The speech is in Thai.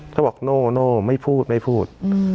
เขาบอกโน่ไม่พูดไม่พูด